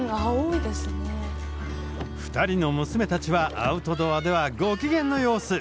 ２人の娘たちはアウトドアではご機嫌の様子。